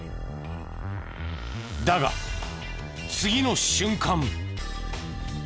だが次の瞬間。